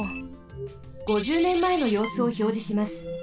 ５０ねんまえのようすをひょうじします。